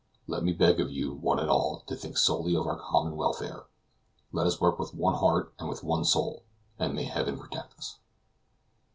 Let me beg of you, one and all, to think solely of our common welfare; let us work with one heart and with one soul, and may Heaven protect us!"